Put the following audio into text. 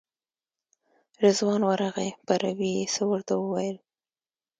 رضوان ورغی په عربي یې څه ورته وویل.